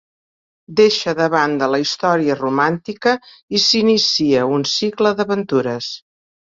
Deixa de banda la història romàntica i s'inicia un cicle d'aventures.